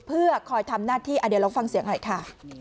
เพื่อคอยทำน่ะที่อะเดี๋ยวเราฟังเสียงให้ค่ะ